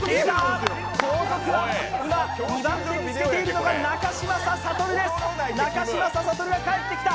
後続は今２番手につけているのが中嶋佐悟です、中嶋佐悟が帰ってきた。